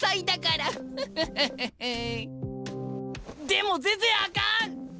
でも全然あかん！